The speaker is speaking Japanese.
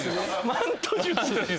マント術⁉